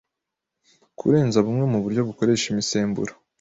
kurenza bumwe mu buryo bukoresha imisemburo